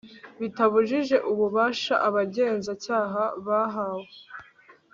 bitabujije ububasha abagenza-cyaha bahawe